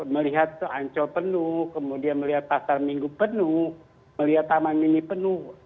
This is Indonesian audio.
melihat taman mini penuh